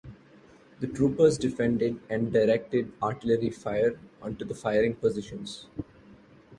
The troopers defended and directed artillery fire onto the firing positions.